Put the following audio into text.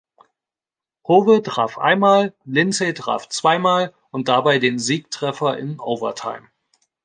Howe traf einmal, Lindsay traf zweimal und dabei den Siegtreffer in Overtime.